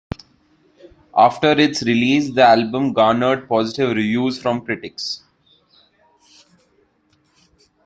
After its release, the album garnered positive reviews from critics.